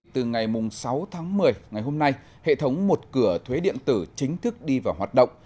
từ ngày sáu tháng một mươi ngày hôm nay hệ thống một cửa thuế điện tử chính thức đi vào hoạt động